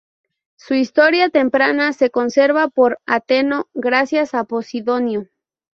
Su historia temprana se conserva por Ateneo, gracias a Posidonio.